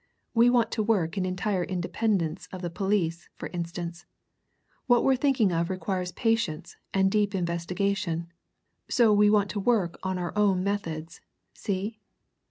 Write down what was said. We want to work in entire independence of the police, for instance. What we're thinking of requires patience and deep investigation. So we want to work on our own methods. See?"